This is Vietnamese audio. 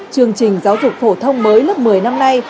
chương trình giáo dục phổ thông mới lớp một mươi năm nay